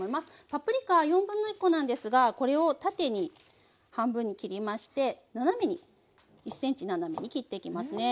パプリカ1/4コなんですがこれを縦に半分に切りまして１ｃｍ斜めに切っていきますね。